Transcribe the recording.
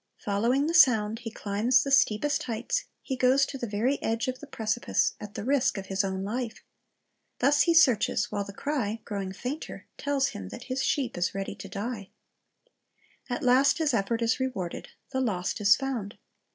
Following the sound, he climbs the steepest heights, he goes to the very edge of the precipice, at the risk of his own life. Thus he searches, while the cry, growing fainter, tells him that his sheep is ready to die. At last his effort is rewarded; the lost is found.